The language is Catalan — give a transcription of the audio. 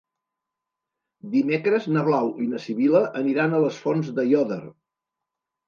Dimecres na Blau i na Sibil·la aniran a les Fonts d'Aiòder.